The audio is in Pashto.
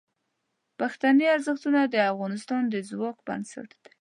پښتني ارزښتونه د افغانستان د ځواک بنسټ دي.